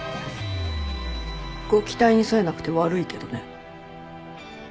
ご期待に沿えなくて悪いけどね。